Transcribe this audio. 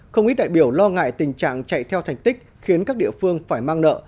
không ít đại biểu lo ngại tình trạng chạy theo thành tích khiến các địa phương phải mang nợ